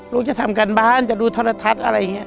ลูกจะทำการบ้านจะดูทรทัศน์อะไรอย่างนี้